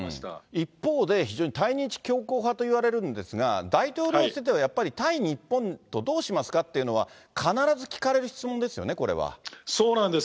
一方で、非常に対日強硬派といわれるんですが、大統領選ではやっぱり対日本とどうしますかっていうのは、必ず聞かれる質問ですよね、これそうなんです。